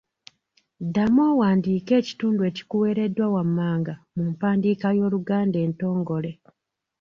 Ddamu owandiike ekitundu ekikuweereddwa wammanga mu mpandiika y’Oluganda entongole.